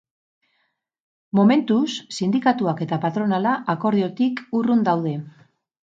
Momentuz, sindikatuak eta patronala akordiotik urrun daude.